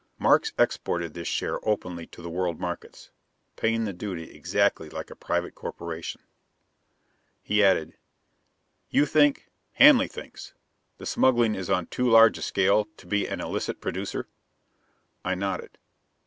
Markes exported this share openly to the world markets, paying the duty exactly like a private corporation. He added, "You think Hanley thinks the smuggling is on too large a scale to be any illicit producer?" I nodded.